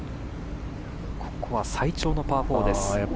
ここは最長のパー４です。